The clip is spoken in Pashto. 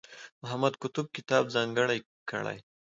محمد قطب کتاب ځانګړی کړی.